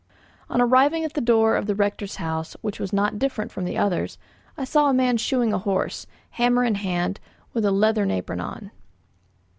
On arriving at the door of the rector's house, which was not different from the others, I saw a man shoeing a horse, hammer in hand, and with a leathern apron on.